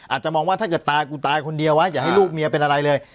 อาจจะมองว่าถ้าเกิดตายกูตายคนเดียวไว้อย่าให้ลูกเมียเป็นอะไรเลย